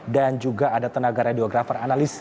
dan juga ada tenaga radiografer analis